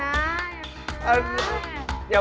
อย่าบอกไว้เลยสองเนื้อ